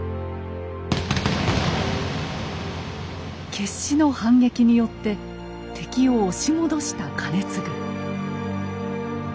決死の反撃によって敵を押し戻した兼続。